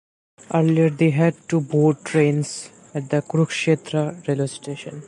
Earlier they had to board trains at the Kurukshetra railway station.